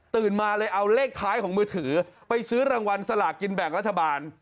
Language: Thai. มาเลยเอาเลขท้ายของมือถือไปซื้อรางวัลสลากกินแบ่งรัฐบาล